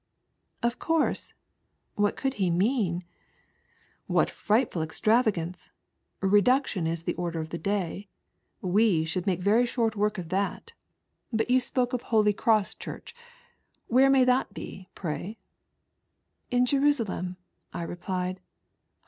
" Of course ;" what could he mean ?■' What frightful extravagance ! Reduction is the 'Older of the day; we should make vei? shprt^^o^of 10 ONLY 4 GHOST. that. But you spoke of Holy Cross Church. Where may that be, pray ?"" Iq Jeniaalem," I replied.